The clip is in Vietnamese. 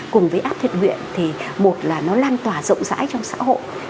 cùng với app thiện nguyện thì một là nó lan tỏa rộng rãi trong xã hội